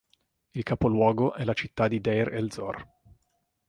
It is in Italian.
Il capoluogo è la città di Deir el-Zor.